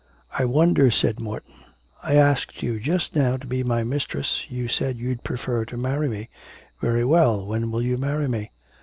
'I wonder,' said Morton. 'I asked you just now to be my mistress; you said you'd prefer to marry me. Very well, when will you marry me?'